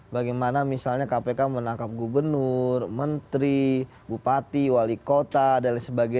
bagaimana misalnya kpk menangkap gubernur menteri bupati wali kota dsb